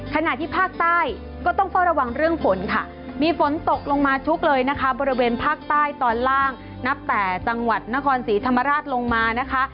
ขณะที่ภาคใต้ก็ต้องเฝ้าระวังเรื่องฝนค่ะมีฝนตกลงมาชุกเลยนะคะบริเวณภาคใต้ตอนล่างนับแต่จังหวัดนครศรีธรรมราชลงมานะคะ